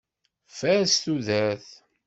Fares tudert!